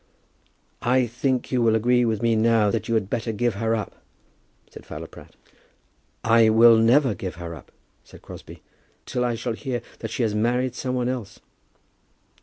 "I think you will agree with me now that you had better give her up," said Fowler Pratt. "I will never give her up," said Crosbie, "till I shall hear that she has married some one else."